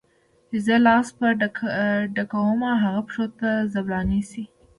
چي زه لاس په ډکومه هغه پښو ته زولانه سي